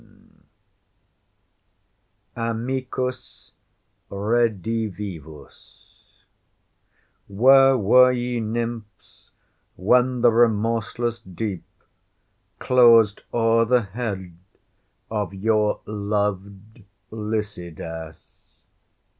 — AMICUS REDIVIVUS Where were ye, Nymphs, when the remorseless deep Clos'd o'er the head of your loved Lycidas?